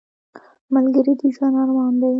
ملګری د ژوند ارمان دی